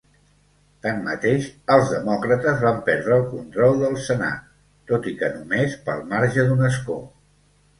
Tanmateix, els Demòcrates van perdre el control del Senat, tot i que només pel marge d'un escó.